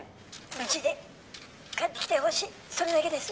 無事で帰ってきてほしいそれだけです